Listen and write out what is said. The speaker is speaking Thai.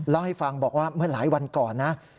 เล่าให้ฟังบอกว่าเมื่อหลายวันก่อนนะ